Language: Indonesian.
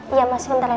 iya mas bentar ya mas